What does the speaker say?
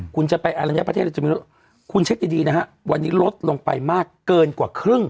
คุณจะไปอัลลัยนี้ประเทศจะมีรถคุณเช็คดีนะฮะวันนี้รถลงไปมากเกินกว่าครึ่ง